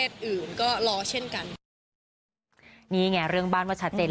ถ้ากฎหมายออกมาก็แตก